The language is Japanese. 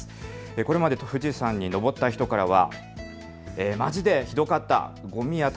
これまで富士山に登った人からは。